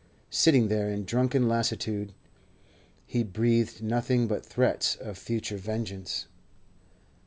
Sitting there in drunken lassitude, he breathed nothing but threats of future vengeance.